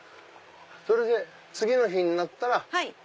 それで次の日になったら。